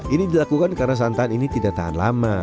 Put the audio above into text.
ini dilakukan karena santan ini tidak tahan lama